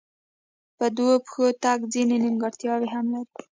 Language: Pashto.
په دوو پښو تګ ځینې نیمګړتیاوې هم لري.